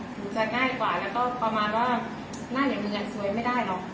หนูจะง่ายกว่าแล้วก็น่าเหนือนสวยไม่ได้หรอก